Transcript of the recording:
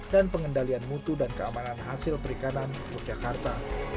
pengendalian mutu dan keamanan hasil perikanan yogyakarta